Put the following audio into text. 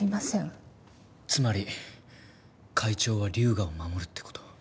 つまり会長は龍河を守るって事？